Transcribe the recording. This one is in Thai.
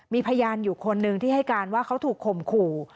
มีพยานอยู่คนหนึ่งที่ให้การว่าเขาถูกข่มขู่